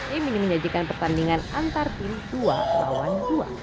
tim ini menyajikan pertandingan antar tim dua lawan dua